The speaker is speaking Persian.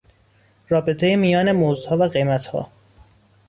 رابطهی میان مزدها و قیمتها